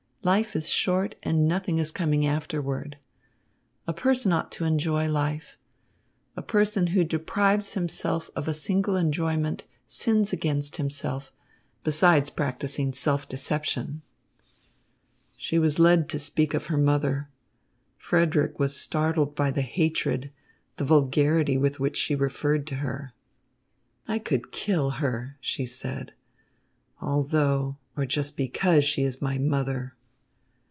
Life is short, and nothing is coming afterward. A person ought to enjoy life. A person who deprives himself of a single enjoyment sins against himself, beside practising self deception." She was led to speak of her mother. Frederick was startled by the hatred, the vulgarity with which she referred to her. "I could kill her," she said, "although, or just because she is my mother."